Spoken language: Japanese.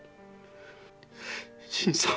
新さん！